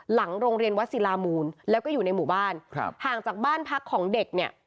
หลังโรงเรียนวัดศิลามูลแล้วก็อยู่ในหมู่บ้านครับห่างจากบ้านพักของเด็กเนี่ย